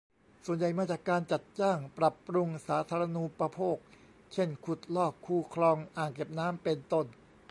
ส่วนใหญ่มาจากการจัดจ้าง ปรับปรุงสาธารณูปโภค เช่น ขุดลอก คู คลอง อ่างเก็บน้ำ เป็นต้น